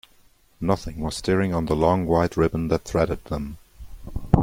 Nothing was stirring on the long white ribbon that threaded them.